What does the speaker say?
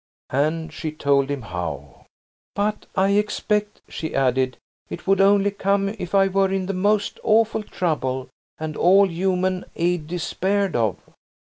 And she told him how. "But, I expect," she added, "it would only come if I were in the most awful trouble and all human aid despaired of."